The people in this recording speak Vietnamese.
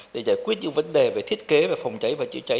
để giải quyết những vấn đề về thiết kế về phòng cháy và chữa cháy